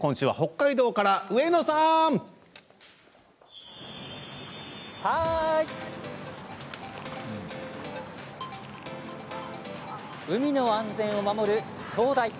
海の安全を守る灯台。